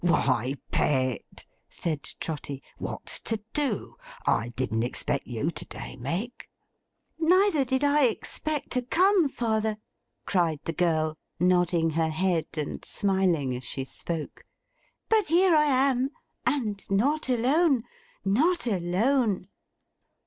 'Why, Pet,' said Trotty. 'What's to do? I didn't expect you to day, Meg.' 'Neither did I expect to come, father,' cried the girl, nodding her head and smiling as she spoke. 'But here I am! And not alone; not alone!